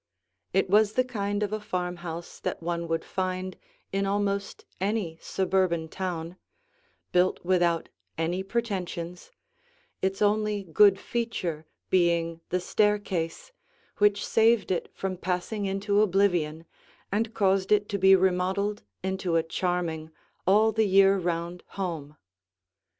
It was the kind of a farmhouse that one would find in almost any suburban town, built without any pretensions, its only good feature being the staircase which saved it from passing into oblivion and caused it to be remodeled into a charming, all the year round home.